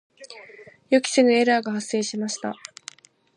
予期せぬエラーが発生しました。